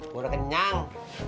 gue udah kenyang